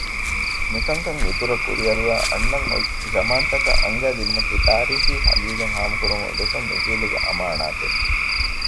މިކަންކަން އިތުރަށް ކުރިއަރުވައި އަންނަން އޮތް ޒަމާންތަކަށް އަންގައިދިނުމަކީ ތާރީޚީ ޙަޤީޤަތް ހާމަކުރުމުގެ ގޮތުން މި ޖީލުގެ އަމާނާތެއް